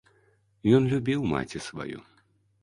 Ён любіў маці сваю.